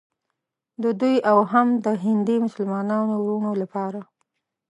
د دوی او هم د هندي مسلمانانو وروڼو لپاره.